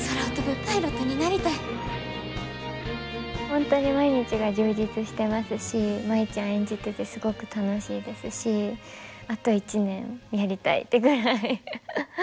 本当に毎日が充実してますし舞ちゃん演じててすごく楽しいですしあと１年やりたいってぐらいハハハ。